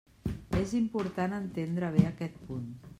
És important entendre bé aquest punt.